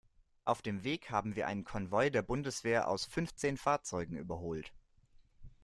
Auf dem Weg haben wir einen Konvoi der Bundeswehr aus fünfzehn Fahrzeugen überholt.